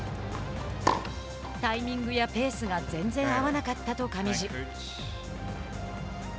タイミングやペースが全然合わなかったと上地。